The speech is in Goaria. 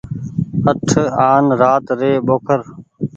اٺ آن رآت ري ٻوکر۔